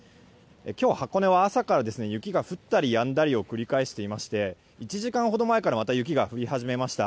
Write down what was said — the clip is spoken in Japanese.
今日、箱根は朝から雪が降ったりやんだりを繰り返していまして１時間ほど前からまた雪が降り始めました。